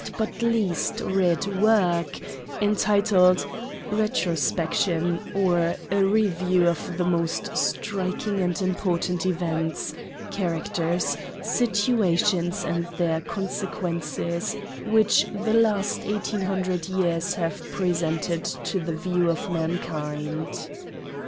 9 but least read work, entitled, " Retrospection, or, a Review of the most striking and important Events, Characters, Situations, and their Consequences, which the last 1800 years have presented to the View of Mankind."